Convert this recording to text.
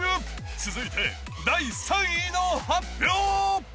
続いて第３位の発表。